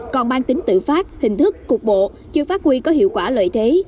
còn mang tính tự phát hình thức cục bộ chưa phát huy có hiệu quả lợi thế